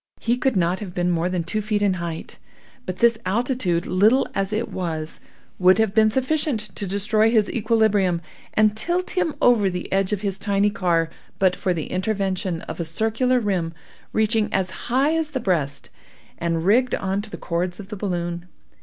He could not have been more than two feet in height; but this altitude, little as it was, would have been sufficient to destroy his equilibrium, and tilt him over the edge of his tiny car, but for the intervention of a circular rim reaching as high as the breast, and rigged on to the cords of the balloon.